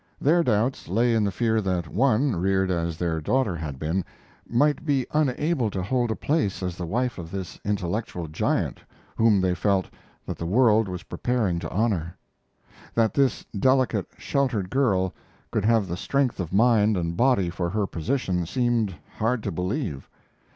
Their doubts lay in the fear that one, reared as their daughter had been, might be unable to hold a place as the wife of this intellectual giant, whom they felt that the world was preparing to honor. That this delicate, sheltered girl could have the strength of mind and body for her position seemed hard to believe.